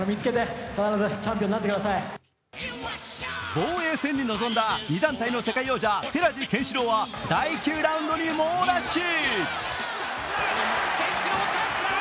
防衛戦に臨んだ２団体の世界王者寺地拳四朗は第９ラウンドに猛ラッシュ。